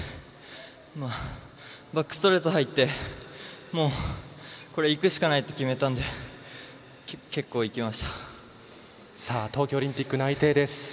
バックストレート入ってこれは、いくしかないって決めたので東京オリンピック内定です。